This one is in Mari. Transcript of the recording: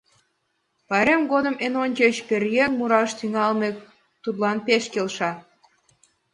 Пайрем годым эн ончыч пӧръеҥ мураш тӱҥалме тудлан пеш келша.